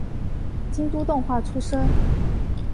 京都动画出身。